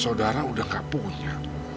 sodara udah gak punya